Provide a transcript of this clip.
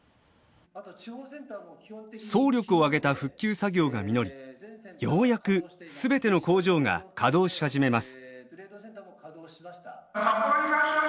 総力を挙げた復旧作業が実りようやく全ての工場が稼働し始めます。